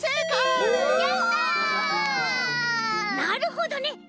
なるほどね。